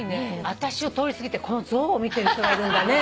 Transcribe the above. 私を通り過ぎてこの象を見てる人がいるんだね。